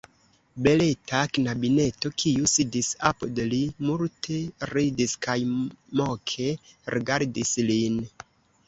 Beleta knabineto, kiu sidis apud li, multe ridis kaj moke rigardis lin.